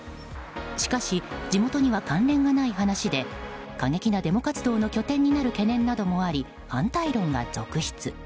しかし、地元には関連がない話で過激なデモ活動の拠点になる懸念などもあり反対論が続出。